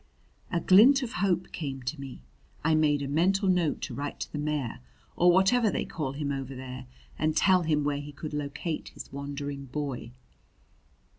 A glint of hope came to me. I made a mental note to write to the mayor, or whatever they call him over there, and tell him where he could locate his wandering boy.